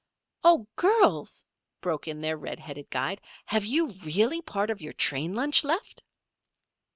"Oh, girls!" broke in their red headed guide. "Have you really part of your train lunch left?"